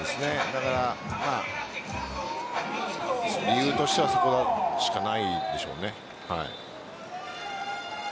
だから理由としてはそこしかないでしょうね。